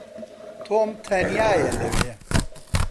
تۆم تەنیایە لەوێ.